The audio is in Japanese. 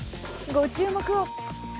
ご注目を。